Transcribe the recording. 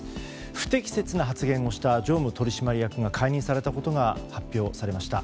不適切な発言をした常務取締役が解任されたことが発表されました。